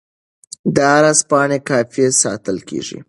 د عرض پاڼې کاپي ساتل کیږي.